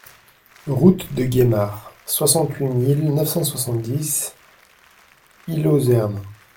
Route de Guémar, soixante-huit mille neuf cent soixante-dix Illhaeusern